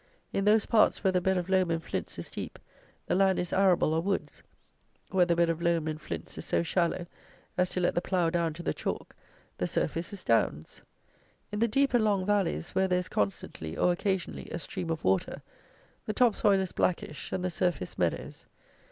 In those parts where the bed of loam and flints is deep the land is arable or woods: where the bed of loam and flints is so shallow as to let the plough down to the chalk, the surface is downs. In the deep and long valleys, where there is constantly, or occasionally, a stream of water, the top soil is blackish, and the surface meadows.